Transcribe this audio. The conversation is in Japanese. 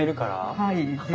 はい。